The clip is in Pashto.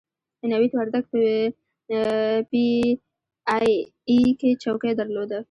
نوید وردګ په پي ای اې کې چوکۍ درلوده.